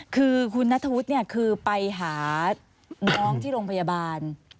คือคุณนัทธวุฒิเนี่ยคือไปหาน้องที่โรงพยาบาล